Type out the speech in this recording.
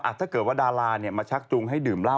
อาจถ้าเกิดว่าดาราเนี่ยมาชักจุงให้ดื่มเหล้า